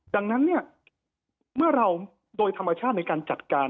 ดังนั้นเนี่ยเมื่อเราโดยธรรมชาติในการจัดการ